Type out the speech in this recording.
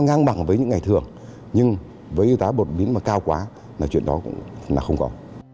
nó ngang bằng với những ngày thường nhưng với giá bột miếng mà cao quá là chuyện đó cũng không có